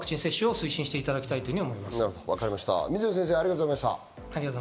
水野先生、ありがとうございました。